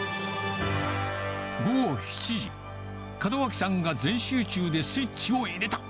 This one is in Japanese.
午後７時、門脇さんが全集中でスイッチを入れた。